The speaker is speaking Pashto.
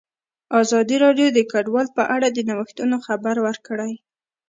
ازادي راډیو د کډوال په اړه د نوښتونو خبر ورکړی.